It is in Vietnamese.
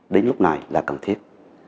đến lúc này là cần thiết